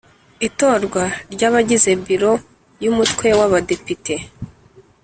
Itorwa ry abagize Biro y Umutwe w Abadepite